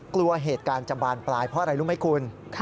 กลัวเหตุการณ์จะบานปลายเพราะอะไรรู้ไหมคุณ